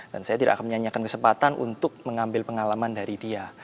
dan saya tidak akan menyanyikan kesempatan untuk mengambil pengalaman dari dia